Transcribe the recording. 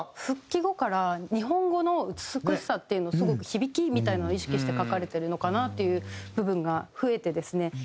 復帰後から日本語の美しさっていうのをすごく響きみたいなのを意識して書かれてるのかなっていう部分が増えてですね。